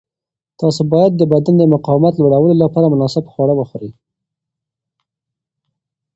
تاسو باید د بدن د مقاومت لوړولو لپاره مناسب خواړه وخورئ.